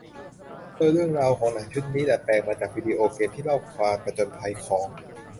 โดยเรื่องราวของหนังชุดนี้ดัดแปลงจากวิดีโอเกมที่เล่าการผจญภัยของ